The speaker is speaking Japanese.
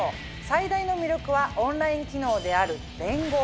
最大の魅力はオンライン機能である「連合」。